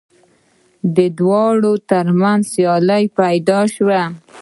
د دواړو تر منځ سیالي پیدا شوه